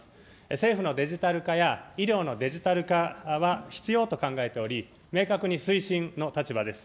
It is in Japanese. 政府のデジタル化や医療のデジタル化は、必要と考えており、明確に推進の立場です。